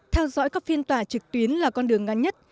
theo dõi các phiên tòa trực tuyến là con đường ngắn nhất